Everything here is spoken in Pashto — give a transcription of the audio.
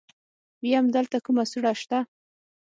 ويم دلته کومه سوړه شته.